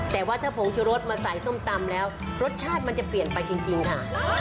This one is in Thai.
แต่ว่าถ้าผงชุรสมาใส่ส้มตำแล้วรสชาติมันจะเปลี่ยนไปจริงค่ะ